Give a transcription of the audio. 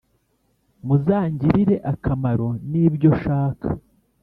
muzangirire akamaro nibyo shaka